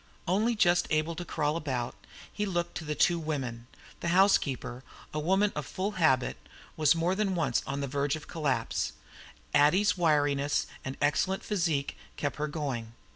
Only just able to crawl about, he looked to the two women the housekeeper, a woman of full habit, was more than once on the verge of collapse; Addie's wiriness and excellent physique kept her going.